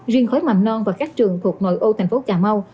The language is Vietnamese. riêng khối mầm non và các trường thuộc nội ô thành phố cà mau